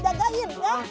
jagain aja ya